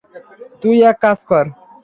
তুই এক কাজ কর।